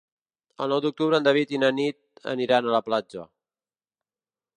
El nou d'octubre en David i na Nit aniran a la platja.